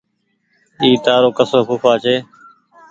اي تآرو ڪسو ڦوڦآ ڇي